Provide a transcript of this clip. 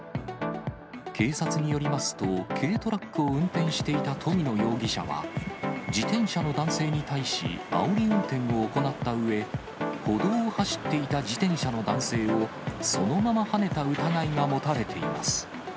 警察によりますと、軽トラックを運転していた富野容疑者は、自転車の男性に対し、あおり運転を行ったうえ、歩道を走っていた自転車の男性をそのままはねた疑いが持たれています。